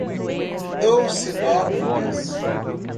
Dolcinópolis